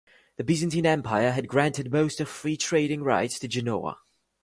The Byzantine Empire had granted most of free trading rights to Genoa.